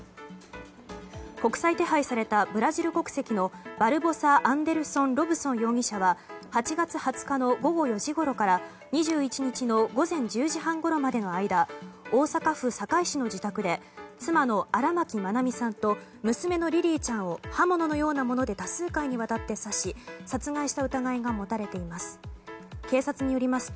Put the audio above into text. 国際手配されたブラジル国籍のバルボサ・アンデルソン・ロブソン容疑者は８月２０日の午後４時ごろから２１日の午前１０時半ごろまでの間大阪府堺市の自宅で妻の荒牧愛美さんと娘のリリィちゃんを刃物のようなもので多数回にわたって刺し殺害した疑いが持たれています。